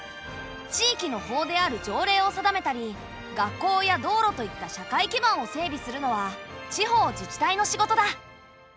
地域の法である条例を定めたり学校や道路といった社会基盤を整備するのは地方自治体の仕事だ。